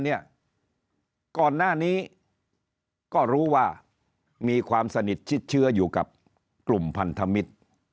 ก่อนหน้านี้ก็รู้ว่ามีความสนิทชิดเชื้ออยู่กับกลุ่มพันธมิตร